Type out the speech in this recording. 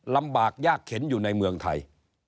ลำบากยากเข็นอยู่ในเมืองไทย